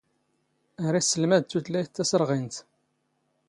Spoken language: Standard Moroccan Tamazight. ⴰⵔ ⵉⵙⵙⵍⵎⴰⴷ ⵜⵓⵜⵍⴰⵢⵜ ⵜⴰⵙⵔⵖⵉⵏⵜ.